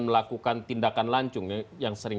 melakukan tindakan lancung yang sering